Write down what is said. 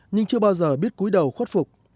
nhưng chưa bao giờ biết cuối đầu khuất phục